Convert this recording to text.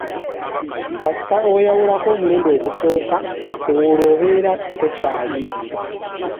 Kasita oyawulako omulundi ogusooka, olwo obeera tokyalina.